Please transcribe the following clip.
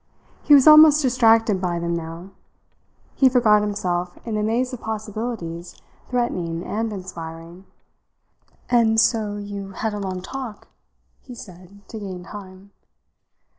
He was almost distracted by them now. He forgot himself in the maze of possibilities threatening and inspiring. "And so you had a long talk?" he said, to gain time.